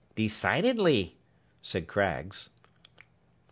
'Decidedly,' said Craggs.